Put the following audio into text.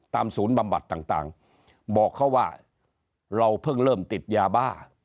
ศูนย์บำบัดต่างบอกเขาว่าเราเพิ่งเริ่มติดยาบ้า